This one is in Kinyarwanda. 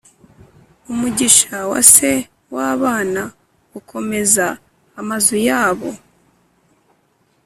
umugisha wa se w’abana ukomeza amazu yabo,